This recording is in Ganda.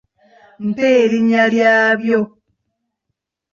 Mpa erinnya lyabyo.